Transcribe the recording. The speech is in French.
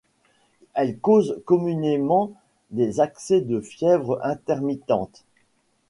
Elle cause communément des accès de fièvre intermittente.